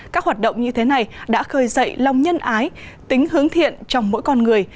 các hoạt động như thế này đã khơi dậy lòng nhân ái tính hướng thiện trong mỗi con người